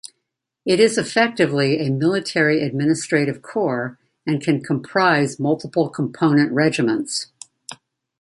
It is effectively a military administrative corps, and can comprise multiple component regiments.